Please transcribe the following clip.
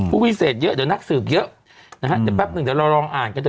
วิเศษเยอะเดี๋ยวนักสืบเยอะนะฮะเดี๋ยวแป๊บหนึ่งเดี๋ยวเราลองอ่านกันเถ